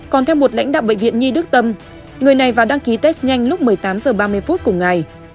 còn theo một lãnh đạo bệnh viện nhi đức tâm người này vào đăng ký test nhanh lúc một mươi tám h ba mươi phút cùng ngày